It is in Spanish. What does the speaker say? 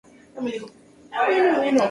A su muerte le sucedió Teodomiro.